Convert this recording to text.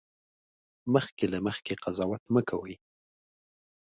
مخکې له مخکې قضاوت مه کوئ